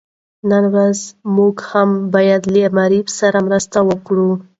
نن ورځ موږ هم بايد له معارف سره مرسته وکړو.